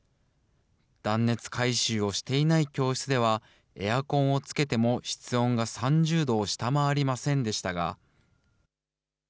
断熱改修をしていない教室では、エアコンをつけても室温が３０度を下回りませんでしたが。